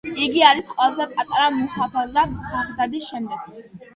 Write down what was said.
იგი არის ყველაზე პატარა მუჰაფაზა ბაღდადის შემდეგ.